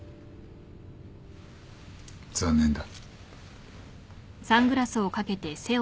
残念だ。